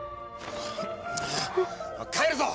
帰るぞ！